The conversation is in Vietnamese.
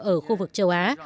ở khu vực châu á